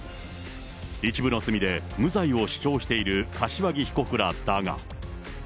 一部の罪で無罪を主張している柏木被告らだが。